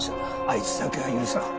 あいつだけは許さん。